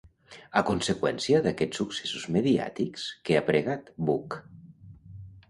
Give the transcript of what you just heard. A conseqüència d'aquests successos mediàtics, què ha pregat Buch?